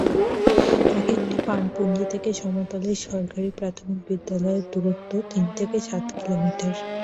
একেকটি পানপুঞ্জি থেকে সমতলের সরকারি প্রাথমিক বিদ্যালয়ের দূরত্ব তিন থেকে সাত কিলোমিটার।